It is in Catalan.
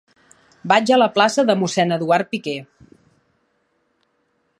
Vaig a la plaça de Mossèn Eduard Piquer.